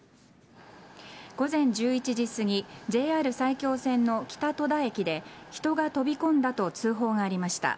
午前１１時すぎＪＲ埼京線の北戸田駅で人が飛び込んだと通報がありました。